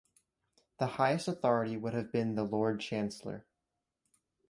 The highest authority would have been the Lord Chancellor.